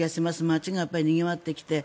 街がにぎわってきて。